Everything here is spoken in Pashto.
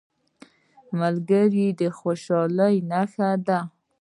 ملګری د خوشحالۍ نښه ده